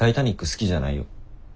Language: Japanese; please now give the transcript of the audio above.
好きじゃないよ。